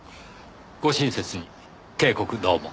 ご親切に警告どうも。